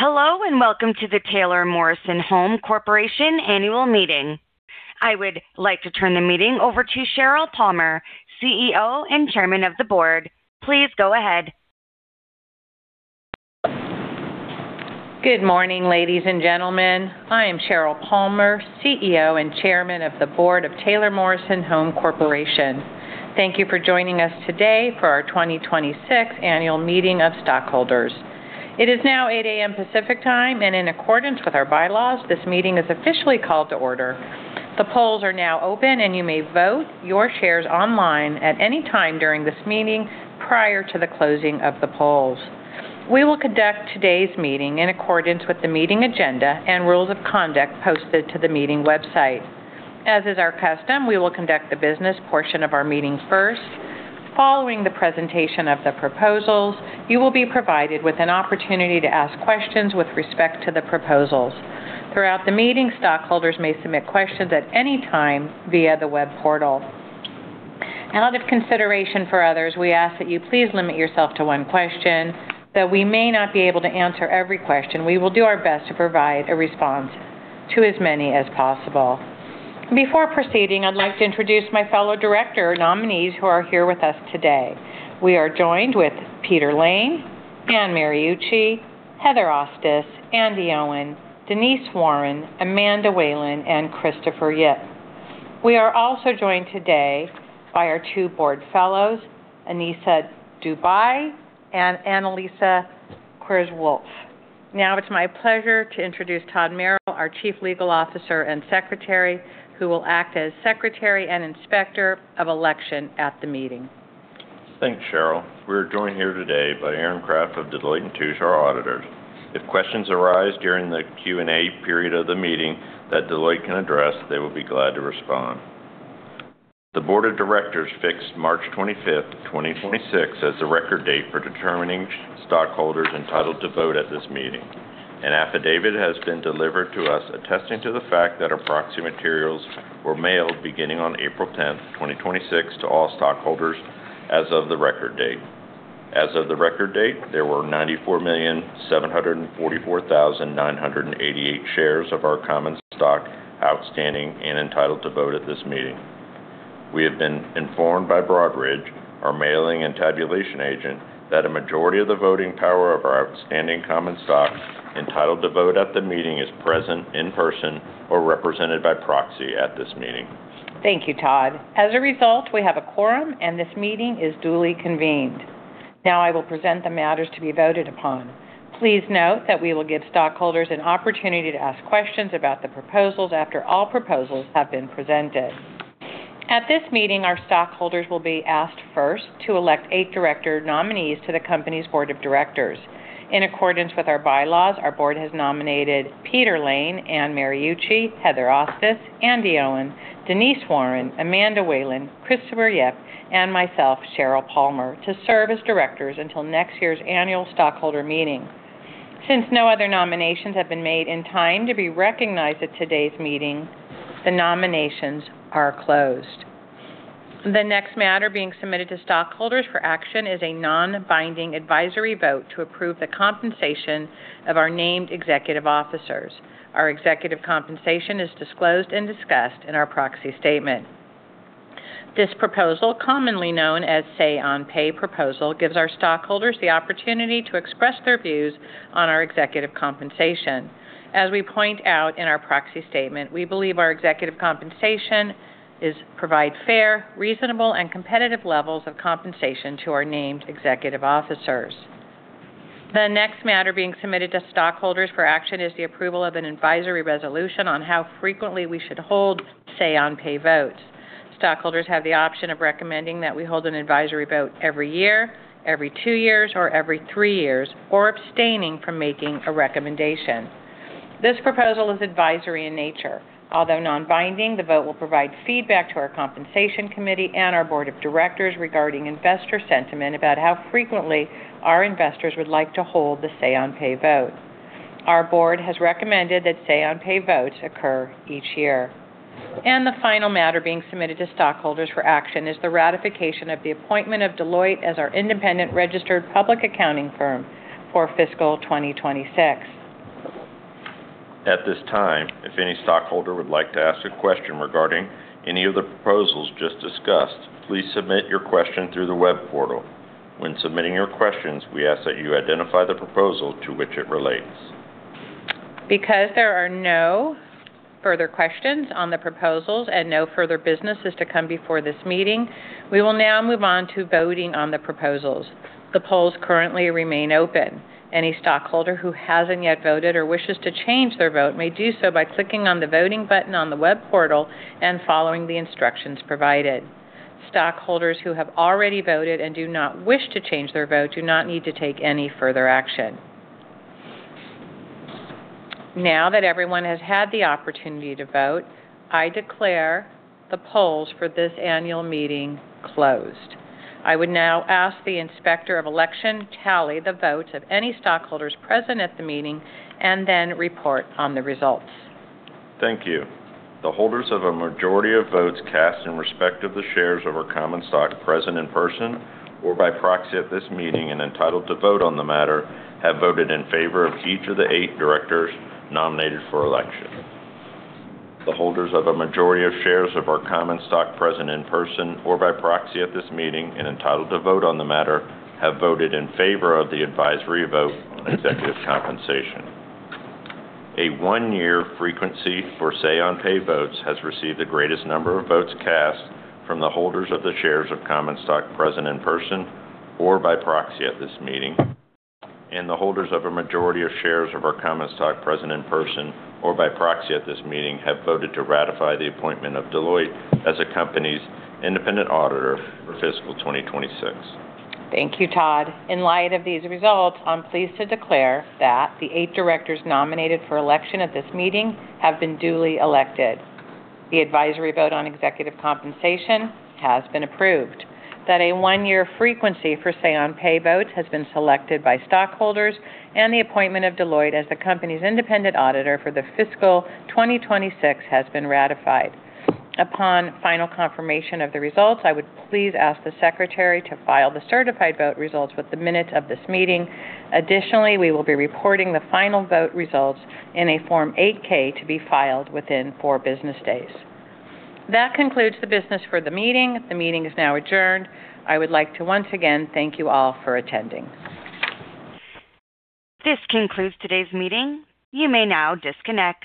Hello, and welcome to the Taylor Morrison Home Corporation Annual Meeting. I would like to turn the meeting over to Sheryl Palmer, CEO and Chairman of the Board. Please go ahead. Good morning, ladies and gentlemen. I am Sheryl Palmer, CEO and Chairman of the Board of Taylor Morrison Home Corporation. Thank you for joining us today for our 2026 annual meeting of stockholders. It is now 8:00 A.M. Pacific Time, and in accordance with our bylaws, this meeting is officially called to order. The polls are now open, and you may vote your shares online at any time during this meeting prior to the closing of the polls. We will conduct today's meeting in accordance with the meeting agenda and rules of conduct posted to the meeting website. As is our custom, we will conduct the business portion of our meeting first. Following the presentation of the proposals, you will be provided with an opportunity to ask questions with respect to the proposals. Throughout the meeting, stockholders may submit questions at any time via the web portal. Out of consideration for others, we ask that you please limit yourself to one question, though we may not be able to answer every question. We will do our best to provide a response to as many as possible. Before proceeding, I'd like to introduce my fellow director nominees who are here with us today. We are joined with Peter Lane, Anne Mariucci, Heather Ostis, Andi Owen, Denise Warren, Amanda Whalen, and Christopher Yip. We are also joined today by our two board fellows, Anissa Dhouibi and Annalisa Cruz-Wolf. It's my pleasure to introduce Todd Merrill, our Chief Legal Officer and Secretary, who will act as Secretary and Inspector of Election at the meeting. Thanks, Sheryl. We're joined here today by Aaron Craft of Deloitte & Touche, our auditors. If questions arise during the Q&A period of the meeting that Deloitte can address, they will be glad to respond. The board of directors fixed March 25th, 2026 as the record date for determining stockholders entitled to vote at this meeting. An affidavit has been delivered to us attesting to the fact that our proxy materials were mailed beginning on April 10th, 2026 to all stockholders as of the record date. As of the record date, there were 94,744,988 shares of our common stock outstanding and entitled to vote at this meeting. We have been informed by Broadridge, our mailing and tabulation agent, that a majority of the voting power of our outstanding common stock entitled to vote at the meeting is present in person or represented by proxy at this meeting. Thank you, Todd. As a result, we have a quorum, and this meeting is duly convened. Now I will present the matters to be voted upon. Please note that we will give stockholders an opportunity to ask questions about the proposals after all proposals have been presented. At this meeting, our stockholders will be asked first to elect eight director nominees to the company's Board of Directors. In accordance with our bylaws, our Board has nominated Peter Lane, Anne Mariucci, Heather Ostis, Andi Owen, Denise Warren, Amanda Whalen, Christopher Yip, and myself, Sheryl Palmer, to serve as directors until next year's Annual Stockholder Meeting. Since no other nominations have been made in time to be recognized at today's meeting, the nominations are closed. The next matter being submitted to stockholders for action is a non-binding advisory vote to approve the compensation of our Named Executive Officers. Our executive compensation is disclosed and discussed in our proxy statement. This proposal, commonly known as say-on-pay proposal, gives our stockholders the opportunity to express their views on our executive compensation. As we point out in our proxy statement, we believe our executive compensation provide fair, reasonable, and competitive levels of compensation to our named executive officers. The next matter being submitted to stockholders for action is the approval of an advisory resolution on how frequently we should hold say-on-pay votes. Stockholders have the option of recommending that we hold an advisory vote every year, every two years, or every three years, or abstaining from making a recommendation. This proposal is advisory in nature. Although non-binding, the vote will provide feedback to our compensation committee and our board of directors regarding investor sentiment about how frequently our investors would like to hold the say-on-pay vote. Our board has recommended that say-on-pay votes occur each year. The final matter being submitted to stockholders for action is the ratification of the appointment of Deloitte as our independent registered public accounting firm for fiscal 2026. At this time, if any stockholder would like to ask a question regarding any of the proposals just discussed, please submit your question through the web portal. When submitting your questions, we ask that you identify the proposal to which it relates. There are no further questions on the proposals and no further business is to come before this meeting, we will now move on to voting on the proposals. The polls currently remain open. Any stockholder who hasn't yet voted or wishes to change their vote may do so by clicking on the voting button on the web portal and following the instructions provided. Stockholders who have already voted and do not wish to change their vote do not need to take any further action. That everyone has had the opportunity to vote, I declare the polls for this annual meeting closed. I would now ask the inspector of election tally the votes of any stockholders present at the meeting and then report on the results. Thank you. The holders of a majority of votes cast in respect of the shares of our common stock present in person or by proxy at this meeting and entitled to vote on the matter, have voted in favor of each of the 8 directors nominated for election. The holders of a majority of shares of our common stock present in person or by proxy at this meeting and entitled to vote on the matter have voted in favor of the advisory vote on executive compensation. A one-year frequency for say-on-pay votes has received the greatest number of votes cast from the holders of the shares of common stock present in person or by proxy at this meeting. The holders of a majority of shares of our common stock present in person or by proxy at this meeting have voted to ratify the appointment of Deloitte as the company's independent auditor for fiscal 2026. Thank you, Todd. In light of these results, I'm pleased to declare that the 8 directors nominated for election at this meeting have been duly elected, the advisory vote on executive compensation has been approved, that a one-year frequency for say-on-pay votes has been selected by stockholders, and the appointment of Deloitte as the company's independent auditor for the fiscal 2026 has been ratified. Upon final confirmation of the results, I would please ask the secretary to file the certified vote results with the minutes of this meeting. Additionally, we will be reporting the final vote results in a Form 8-K to be filed within four business days. That concludes the business for the meeting. The meeting is now adjourned. I would like to once again thank you all for attending. This concludes today's meeting. You may now disconnect